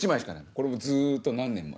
これをもうずっと何年も。